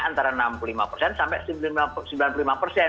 antara enam puluh lima sampai sembilan puluh lima